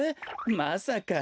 まさか。